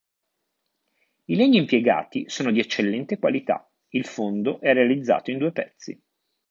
I legni impiegati sono di eccellente qualità, il fondo è realizzato in due pezzi.